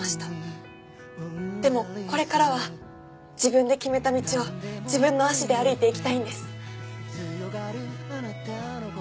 でもこれからは自分で決めた道を自分の足で歩いていきたいんです。